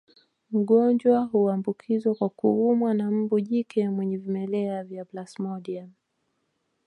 Mgonjwa huambukizwa kwa kuumwa na mbu jike mwenye vimelea vya plasmodium